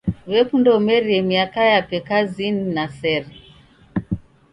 W'ekunda umerie miaka yape kazinyi na sere.